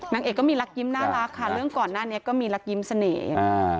นางเอกก็มีรักยิ้มน่ารักค่ะเรื่องก่อนหน้านี้ก็มีรักยิ้มเสน่ห์อ่า